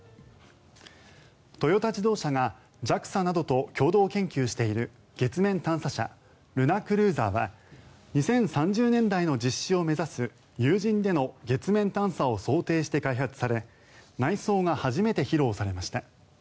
トヨタ自動車がＪＡＸＡなどと共同研究している月面探査車ルナクルーザーは２０３０年代の実施を目指す有人での月面探査を想定して開発され内装が初めて披露されました。